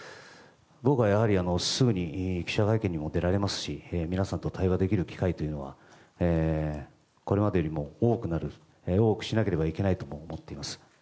僕は、やはりすぐに記者会見にも出られますし皆さんと対話できる機会というのはこれまでよりも多くなる多くしなければいけないとも思っております。